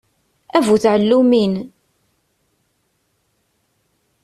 A bu tɛellumin!